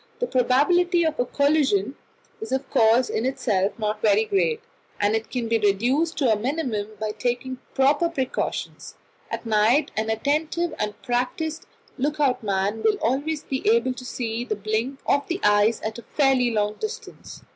The probability of a collision is of course in itself not very great, and it can be reduced to a minimum by taking proper precautions. At night an attentive and practised look out man will always be able to see the blink of the ice at a fairly long distance.